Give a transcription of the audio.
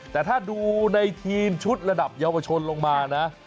แต่ถ้าดูในทีมชุดระดับเยาวชนลงมานะ